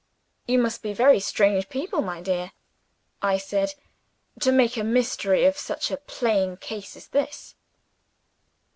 "You must be very strange people, my dear," I said, "to make a mystery of such a plain case as this."